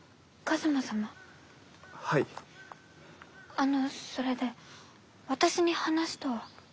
あのそれで私に話とは？